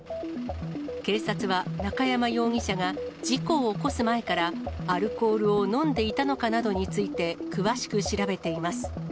警察は、中山容疑者が事故を起こす前からアルコールを飲んでいたのかなどについて詳しく調べています。